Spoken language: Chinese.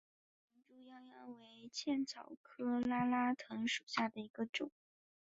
林猪殃殃为茜草科拉拉藤属下的一个种。